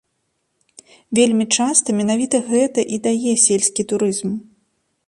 Вельмі часта менавіта гэта і дае сельскі турызм.